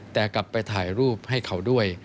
แต่กลับไปถ่ายรูปให้เขาด้วย